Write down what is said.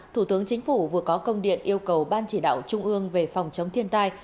thủ tướng chính phủ vừa có công điện yêu cầu ban chỉ đạo trung ương về phòng chống thiên tai